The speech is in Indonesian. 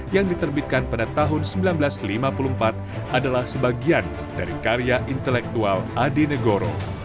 yang diterbitkan pada tahun seribu sembilan ratus lima puluh empat adalah sebagian dari karya intelektual adi negoro